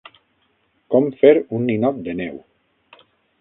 Com fer un ninot de neu.